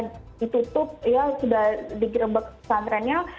sudah ditutup ya sudah digerebek pesantrennya